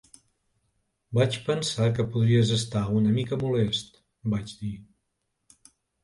"Vaig pensar que podries estar una mica molest", vaig dir.